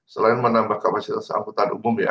selain menambah kapasitas angkutan umum ya